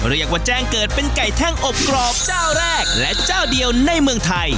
เรียกว่าแจ้งเกิดเป็นไก่แท่งอบกรอบเจ้าแรกและเจ้าเดียวในเมืองไทย